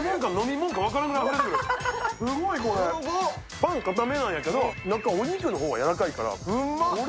パン固め何やけど、何お肉がやわらかいから、うんま！